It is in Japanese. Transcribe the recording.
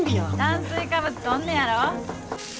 炭水化物とんねやろ。